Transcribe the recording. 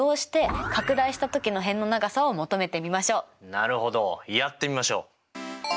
なるほどやってみましょう！